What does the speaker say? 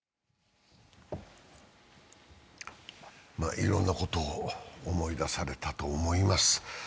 いろんなことを思い出されたと思います。